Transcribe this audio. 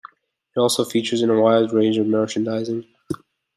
It also features in a wide range of merchandising.